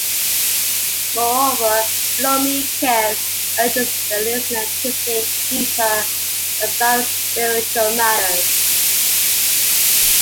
Moreover, "Blow Me a Kiss" urges the listener to think deeper about spiritual matters.